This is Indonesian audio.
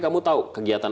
nah mereka bisa dikitin